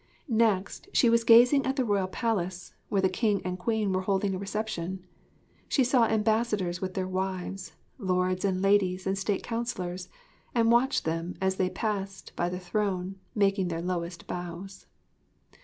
Next, she was gazing at the Royal Palace, where the King and Queen were holding a reception. She saw ambassadors with their wives, lords and ladies and state counsellors; and watched them as they passed by the throne making their lowest bows.